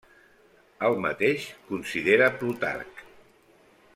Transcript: El mateix considera Plutarc.